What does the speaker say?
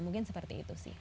mungkin seperti itu sih